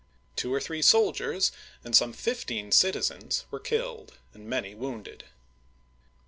Two or three soldiers and some fifteen citizens were killed and many wounded.